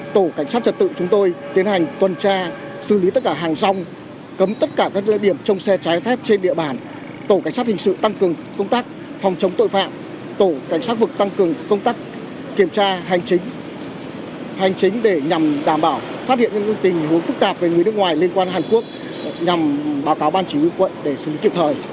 tổ cảnh sát trật tự chúng tôi tiến hành tuần tra xử lý tất cả hàng rong cấm tất cả các lợi điểm trong xe trái phép trên địa bàn tổ cảnh sát hình sự tăng cường công tác phòng chống tội phạm tổ cảnh sát vực tăng cường công tác kiểm tra hành chính để nhằm đảm bảo phát hiện những tình huống phức tạp về người nước ngoài liên quan hàn quốc nhằm báo cáo ban chỉ huy quận để xử lý kịp thời